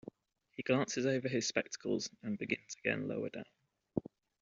He glances over his spectacles and begins again lower down.